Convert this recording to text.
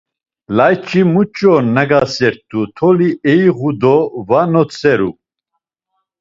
Layç̌i muç̌e nagaset̆u, toli eiğu do va notzeru.